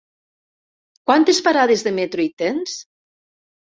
Quantes parades de metro hi tens?